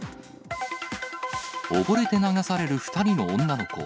溺れて流される２人の女の子。